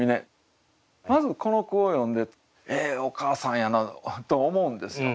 まずこの句を読んでええお母さんやなと思うんですよ。